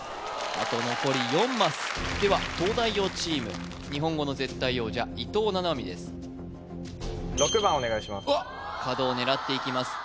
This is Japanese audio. あと残り４マスでは東大王チーム日本語の絶対王者伊藤七海です角を狙っていきます